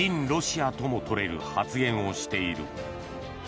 ロシアともとれる発言をしている。